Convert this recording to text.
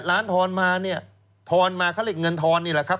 ล้านทอนมาเนี่ยทอนมาเขาเรียกเงินทอนนี่แหละครับ